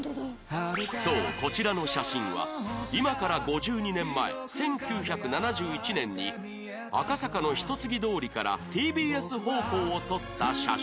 そうこちらの写真は今から５２年前１９７１年に赤坂の一ツ木通りから ＴＢＳ 方向を撮った写真